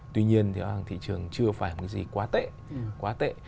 tuy nhiên thì thị trường chưa phải là một cái gì quá tệ